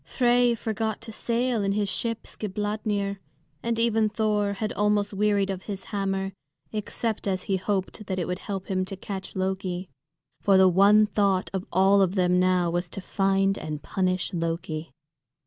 Frey forgot to sail in his ship Skidbladnir, and even Thor had almost wearied of his hammer, except as he hoped that it would help him to catch Loki. For the one thought of all of them now was to find and punish Loki.